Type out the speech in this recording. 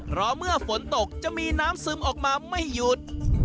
เพราะเมื่อฝนตกจะมีน้ำซึมออกมาไม่หยุด